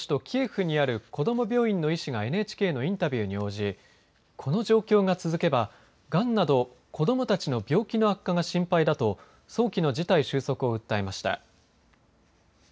キエフにある子ども病院の医師がＮＨＫのインタビューに応じこの状況が続けばがんなど子どもたちの病気の悪化が心配だと早期の事態収束を訴えました。